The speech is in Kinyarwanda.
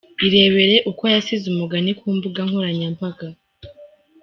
Irebere uko yasize umugani ku mbuga nkoranyambaga.